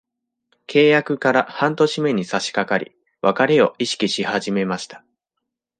契約から半年目に差しかかり、別れを意識し始めました。